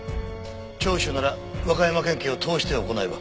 聴取なら和歌山県警を通して行えば。